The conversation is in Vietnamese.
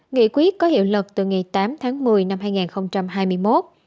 nghị quyết có hiệu lực từ ngày tám tháng một mươi năm hai nghìn hai mươi một